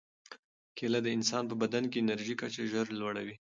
کیله د انسان په بدن کې د انرژۍ کچه ژر لوړوي.